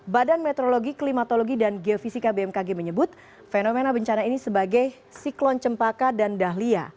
badan meteorologi klimatologi dan geofisika bmkg menyebut fenomena bencana ini sebagai siklon cempaka dan dahlia